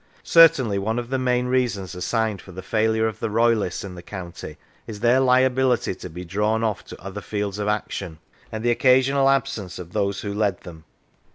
Certainly one of the main reasons assigned for the failure of the Royalists in the county is their liability to be drawn off to other fields of action, and the occasional absence of those who led them.